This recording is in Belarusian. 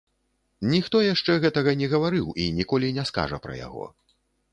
Ніхто яшчэ гэтага не гаварыў і ніколі не скажа пра яго.